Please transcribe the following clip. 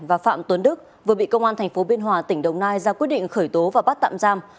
và phạm tuấn đức vừa bị công an tp biên hòa tỉnh đồng nai ra quyết định khởi tố và bắt tạm giam